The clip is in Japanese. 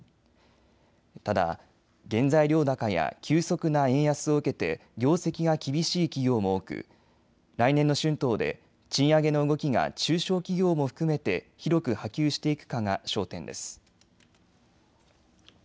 ただ原材料高や急速な円安を受けて業績が厳しい企業も多く来年の春闘で賃上げの動きが中小企業も含めて広く波及していくかが焦点です。